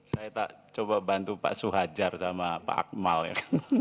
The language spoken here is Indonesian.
saya coba bantu pak suhajar sama pak akmal ya